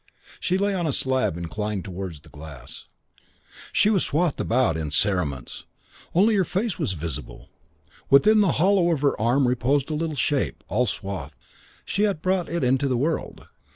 She lay on a slab inclined towards the glass. She was swathed about in cerements. Only her face was visible. Within the hollow of her arm reposed a little shape, all swathed. She had brought it into the world.